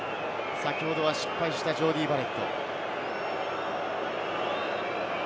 先ほどは失敗したジョーディー・バレット。